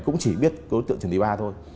cũng chỉ biết đối tượng trần thị ba thôi